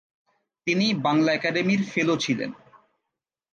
তিনি বাংলা একাডেমির ফেলো ছিলেন।